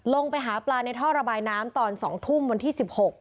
ไปหาปลาในท่อระบายน้ำตอน๒ทุ่มวันที่๑๖